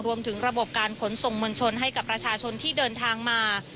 รวมถึงระบบการขนส่งมวลชนให้กับประชาชนที่เดินทางมา